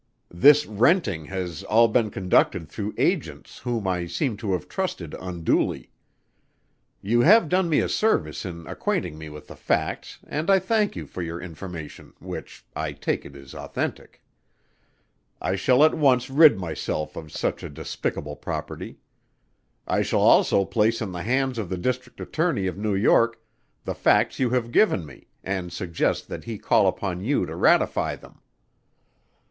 This renting has all been conducted through agents whom I seem to have trusted unduly. You have done me a service in acquainting me with the facts and I thank you for your information which, I take it is authentic. I shall at once rid myself of such a despicable property. I shall also place in the hands of the District Attorney of New York, the facts you have given me, and suggest that he call upon you to ratify them."